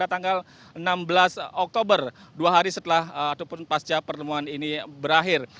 sejak tanggal tujuh hingga nanti pada tanggal enam belas oktober dua hari setelah ataupun pasca pertemuan ini berakhir